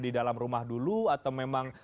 di dalam rumah dulu atau memang